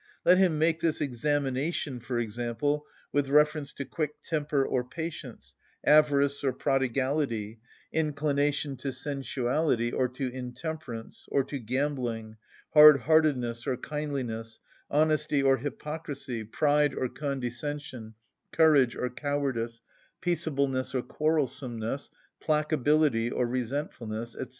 Let him make this examination, for example, with reference to quick temper or patience, avarice or prodigality, inclination to sensuality, or to intemperance, or to gambling, hard‐ heartedness or kindliness, honesty or hypocrisy, pride or condescension, courage or cowardice, peaceableness or quarrelsomeness, placability or resentfulness, &c.